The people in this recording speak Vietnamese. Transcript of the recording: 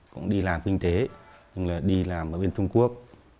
cũng đi làm kinh tế đi làm ở bên trung quốc